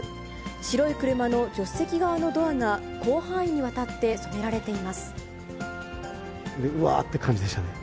白い車の助手席側のドアが、広範囲にわたって染められていまうわーって感じでしたね。